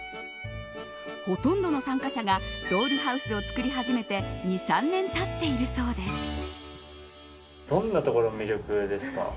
ほとんどの参加者がドールハウスを作り始めて２、３年経っているそうです。